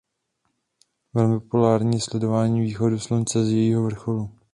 Velmi populární je sledování východu slunce z jejího vrcholu.